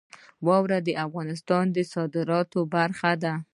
واوره د افغانستان د صادراتو برخه ده.